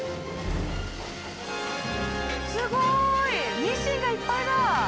すごい！ミシンがいっぱいだ！